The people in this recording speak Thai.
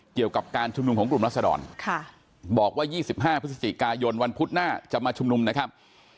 เกี่ยวกับการชุมนุมของกลุ่มรัศดรบอกว่า๒๕พฤศจิกายนวันพุธหน้าจะมาชุมนุมนะครับ